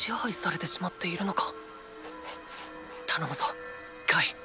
頼むぞカイ。